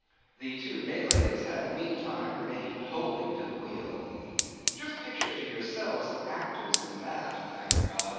The two Malays had meantime remained holding to the wheel. Just picture to yourselves the actors in that, thank God!